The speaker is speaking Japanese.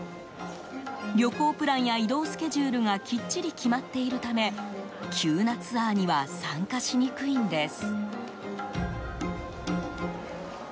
旅行プランや移動スケジュールがきっちり決まっているため急なツアーには参加しにくいんです。